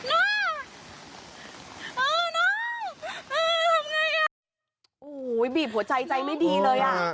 น้องทำไงอ่ะโอ้โหบีบหัวใจใจไม่ดีเลยอ่ะ